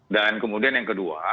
dan kemudian yang kedua